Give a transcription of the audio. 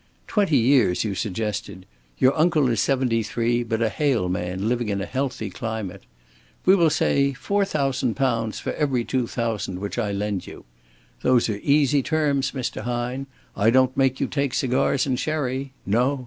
Twenty years you suggested. Your uncle is seventy three, but a hale man, living in a healthy climate. We will say four thousand pounds for every two thousand which I lend you. Those are easy terms, Mr. Hine. I don't make you take cigars and sherry! No!